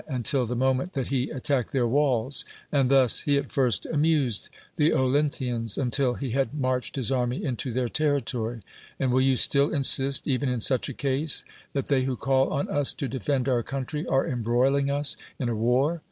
until the moment that he at tacked their walls; and thus he at first amused 136 DEMOSTHENES the Olynthians, until he had inarched his anny into their territory. And Avill you still insist, even in such a case, that they who call on us to defend our country are enihroiliiuj: us in a war?